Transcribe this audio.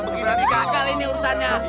berarti gagal ini urusannya